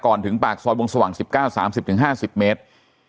ก่อนถึงปากซอยวงสว่าง๑๙๓๐ถึง๕๐เมตร